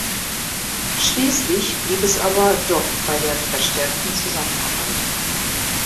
Schließlich blieb es aber doch bei der "verstärkten Zusammenarbeit".